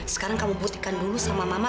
sekarang kamu putihkan dulu sama mama